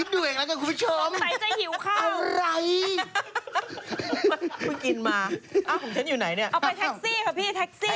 ดรีบไม่ไข้อย่างกลางปี